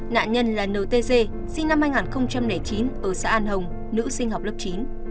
nạn nhân là nô tê dê sinh năm hai nghìn chín ở xã an hồng nữ sinh học lớp chín